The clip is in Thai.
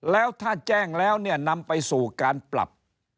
แล้วถ้าแจ้งแล้วเนี่ยนำไปสู่การปรับ